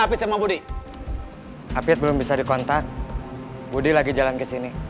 apit belum bisa dikontak